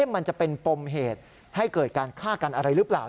มันจะเป็นปมเหตุให้เกิดการฆ่ากันอะไรหรือเปล่า